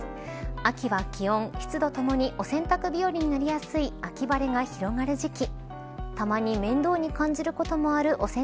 秋は気温、湿度ともに洗濯日和になりやすい秋晴れが広がる時期。